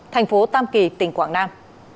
thành phố tam kỳ tỉnh quảng nam